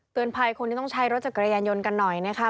ภัยคนที่ต้องใช้รถจักรยานยนต์กันหน่อยนะคะ